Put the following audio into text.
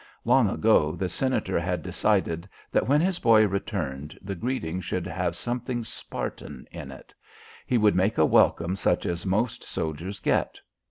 Long ago the Senator had decided that when his boy returned the greeting should have something Spartan in it. He would make a welcome such as most soldiers get.